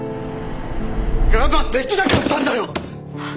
我慢できなかったんだよ！